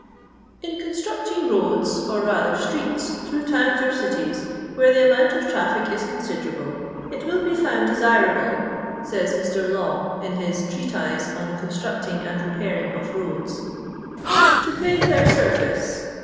" In constructing roads, or rather streets, through towns or cities, where the amount of traffic is considerable, it will be found desirable," says lir. Law, in his 'Treatise on the Con structing and Bepairing of Boads,' *'to pava their surface.